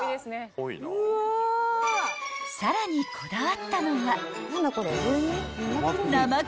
［さらにこだわったのは］